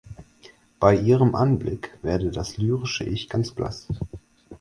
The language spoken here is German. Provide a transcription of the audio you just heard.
Bei ihrem Anblick werde das lyrische Ich ganz blass.